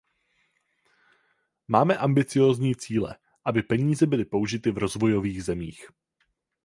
Máme ambiciózní cíle, aby peníze byly použity v rozvojových zemích.